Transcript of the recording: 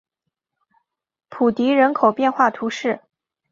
普迪人口变化图示